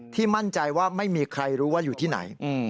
มั่นใจว่าไม่มีใครรู้ว่าอยู่ที่ไหน